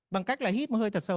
bằng cách là hít một hơi thật sâu